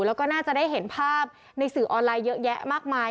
แล้วก็น่าจะได้เห็นภาพในสื่อออนไลน์เยอะแยะมากมาย